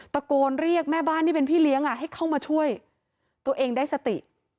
ตะโกนเรียกแม่บ้านที่เป็นพี่เลี้ยงให้เข้ามาช่วยตัวเองได้สติ